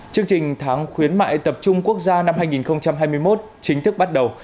chương trình tháng khuyến mại tập trung quốc gia năm hai nghìn hai mươi một chính thức bắt đầu